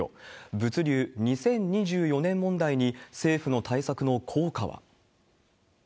物流２０２４年問題に、政府の対策の効果は。